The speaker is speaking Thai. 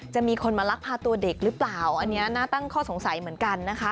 จะมีคนมาลักพาตัวเด็กหรือเปล่าอันนี้น่าตั้งข้อสงสัยเหมือนกันนะคะ